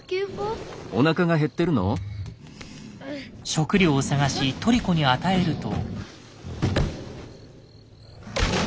食料を探しトリコに与えると。